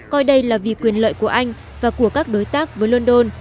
coi đây là vì quyền lợi của anh và của các đối tác với london